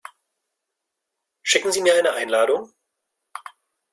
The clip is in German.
Schicken Sie mir eine Einladung?